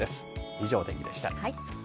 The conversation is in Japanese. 以上、お天気でした。